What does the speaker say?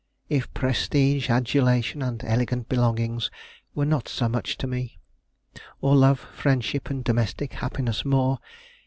If prestige, adulation, and elegant belongings were not so much to me; or love, friendship, and domestic happiness more!